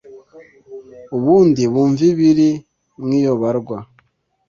ubundi bumve ibiri mwiyo barwa